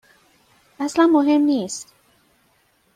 اصلا مهم نیست.